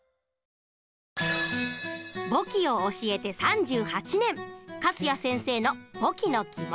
簿記を教えて３８年粕谷先生の簿記のキモ。